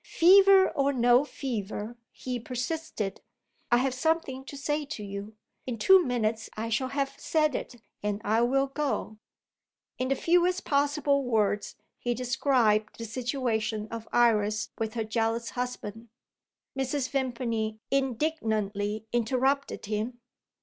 "Fever or no fever," he persisted, "I have something to say to you. In two minutes I shall have said it, and I will go." In the fewest possible words he described the situation of Iris with her jealous husband. Mrs. Vimpany indignantly interrupted him.